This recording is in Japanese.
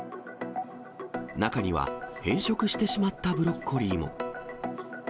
中には、変色してしまったブロッコリーも。